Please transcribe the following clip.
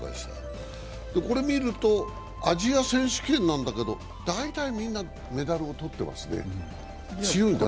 これを見ると、アジア選手権なんだけど、だいたいみんなメダルを取ってますね、強いんですね。